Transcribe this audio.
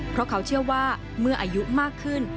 เพราะเขาเชื่อว่าเมื่ออายุมากขึ้น